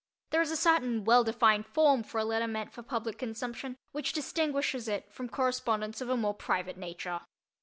There is a certain well defined form for a letter meant for public consumption which distinguishes it from correspondence of a more private nature.